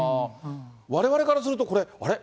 われわれからするとこれ、あれ？